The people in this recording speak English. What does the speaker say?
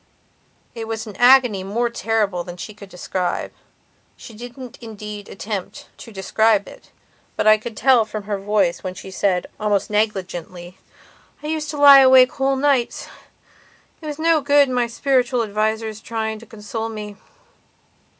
It was an agony more terrible than she could describe. She didn't indeed attempt to describe it, but I could tell from her voice when she said, almost negligently, "I used to lie awake whole nights. It was no good my spiritual advisers trying to console me."